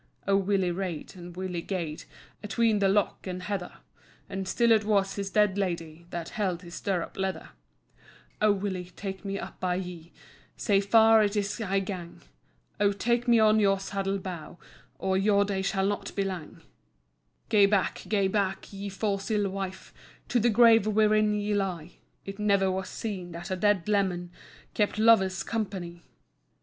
O Willie rade, and Willie gaed Atween the [loch and heather], And still it was his dead Lady That [held his stirrup leather]. "O Willie, tak' me up by ye, Sae far it is I gang; O tak' me on your saddle bow, Or [your day shall not be lang]." "Gae back, gae back, ye fause ill wife, To the grave wherein ye lie, It never was seen that a dead leman Kept lover's company!